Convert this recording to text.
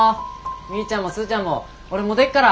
みーちゃんもスーちゃんも俺もう出っから！